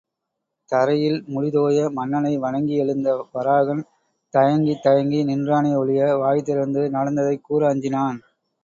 தரையில் முடிதோய மன்னனை வணங்கி எழுந்த வராகன், தயங்கித் தயங்கி நின்றானே ஒழிய வாய்திறந்து நடந்ததைக் கூற அஞ்சினான்.